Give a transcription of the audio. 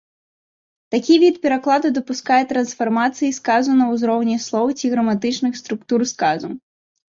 Такі від перакладу дапускае трансфармацыі сказу на ўзроўні слоў ці граматычных структур сказу.